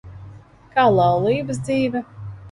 Kā laulības dzīve?